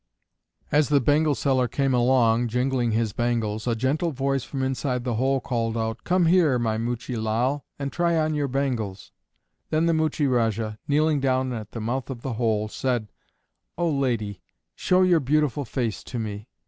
As the bangle seller came along, jingling his bangles, a gentle voice from inside the hole called out, "Come here, my Muchie Lal, and try on your bangles." Then the Muchie Rajah, kneeling down at the mouth of the hole, said, "Oh, lady, show your beautiful face to me."